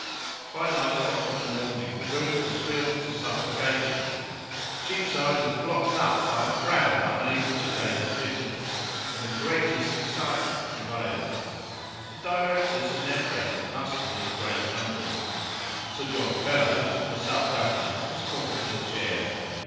By nine o'clock in the morning, the room was filled to suffocation; Cheapside was blocked up by a crowd unable to gain admittance, and the greatest excitement prevailed. The directors and their friends mustered in great numbers. Sir John Fellowes, the sub governor, was called to the chair.